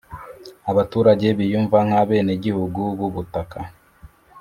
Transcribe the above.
abaturage biyumva nk abenegihugu bubutaka